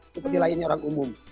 seperti lainnya orang umum